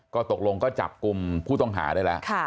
ก็ตกลงก็จับกลุ่มผู้ต้องหาได้แล้ว